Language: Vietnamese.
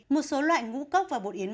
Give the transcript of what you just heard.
một số loại ngũ cốc và bột yến